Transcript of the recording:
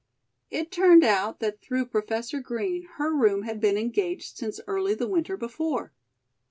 It turned out that through Professor Green her room had been engaged since early the winter before.